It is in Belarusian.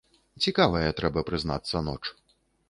Цікавая, трэба прызнацца, ноч.